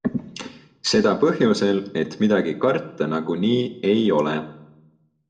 Seda põhjusel, et midagi karta nagunii ei ole.